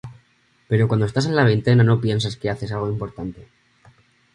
Pero cuando estás en la veintena no piensas que haces algo importante.